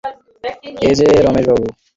এ যে রমেশবাবু!